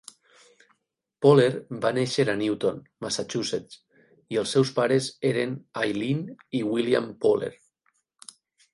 Poehler va néixer a Newton, Massachusetts, i els seus pares eren Eileen i William Poehler.